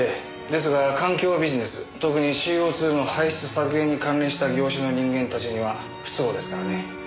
ですが環境ビジネス特にＣＯ２の排出削減に関連した業者の人間たちには不都合ですからね。